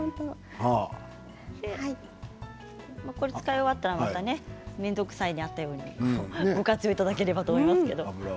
これ、使い終わったらまた「めんどくさい」であったようにご活用いただければと思います。